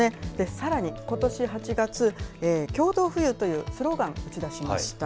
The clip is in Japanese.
さらにことし８月、共同富裕というスローガン、打ち出しました。